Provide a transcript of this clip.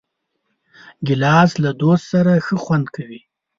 ګیلاس له دوست سره ښه خوند کوي.